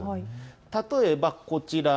例えばこちら。